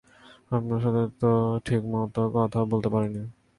আপনার সাথে তো ঠিক মতো কথাও বলতে পারিনি।